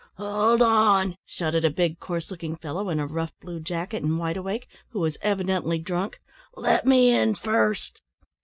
"Hold on!" shouted a big coarse looking fellow, in a rough blue jacket and wide awake, who was evidently drunk; "let me in first."